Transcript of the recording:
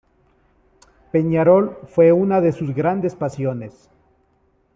Peñarol fue una de sus grandes pasiones.